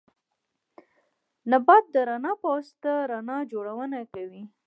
نبات د رڼا په واسطه رڼا جوړونه کوي